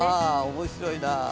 面白いなあ。